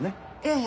ええ。